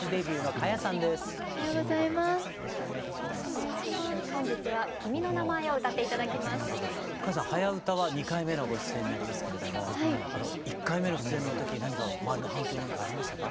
花耶さん「はやウタ」は２回目のご出演になりますけれども１回目の出演の時何か周りの反響なんかありましたか？